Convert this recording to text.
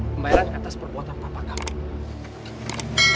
pembayaran atas perbuatan papa kamu